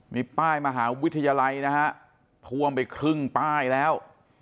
มีป้ายมหาวิทยาลัยนะฮะท่วมไปครึ่งป้ายแล้ว